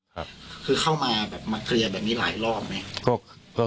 คือเข้ามาแบบมาเคลียร์แบบนี้หลายรอบไหม